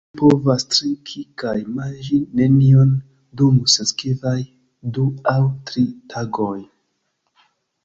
Ili povas trinki kaj manĝi nenion dum sinsekvaj du aŭ tri tagoj.